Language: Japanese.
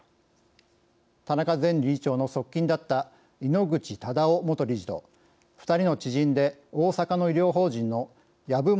田中前理事長の側近だった井ノ口忠男元理事と２人の知人で大阪の医療法人の籔本